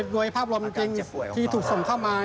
โดยภาพรวมจริงที่ถูกส่งเข้ามา